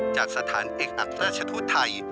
จากสถานเอกอักราชทูตไทย